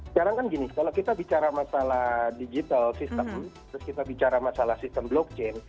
sekarang kan gini kalau kita bicara masalah digital sistem terus kita bicara masalah sistem blockchain